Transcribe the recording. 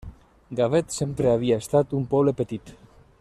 Gavet sempre havia estat un poble petit.